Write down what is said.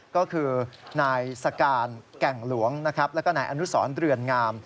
ก็คือนายสการแก่งหลวงและนายอนุสรเรือนงาม